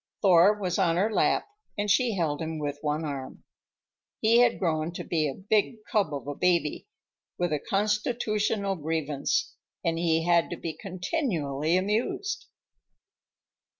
Thor was on her lap and she held him with one arm. He had grown to be a big cub of a baby, with a constitutional grievance, and he had to be continually amused.